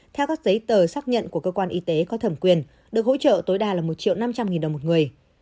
theo các giấy tờ xác nhận của cơ quan y tế có thẩm quyền được hỗ trợ tối đa là một triệu năm trăm linh nghìn đồng một người